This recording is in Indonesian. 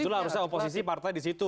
itulah harusnya oposisi partai disitu